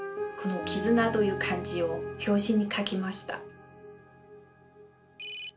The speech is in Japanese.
この「絆」という漢字を表紙に書きました。